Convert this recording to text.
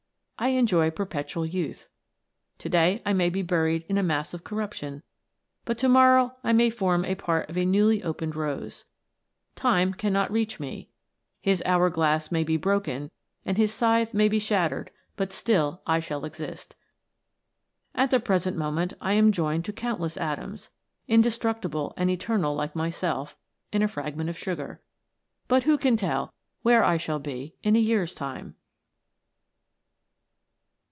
I enjoy perpetual youth. To day I may be buried in a mass of corruption, but to niorrow I may form a part of a newly opened rose. Time cannot reach me ; his hour glass may be broken and his scythe may be shattered, but still I shall exist. At the present moment I am joined to countless atoms, indestructible and eternal like myself, in a fragment of sugar, but who can tell where I shall be in a year's time